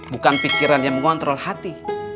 bukan pikiran yang mengontrol hati